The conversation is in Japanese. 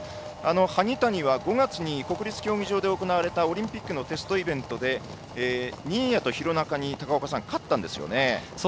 萩谷は５月に国立競技場で行われたオリンピックのテストイベントで新谷と廣中に勝ったんですよね。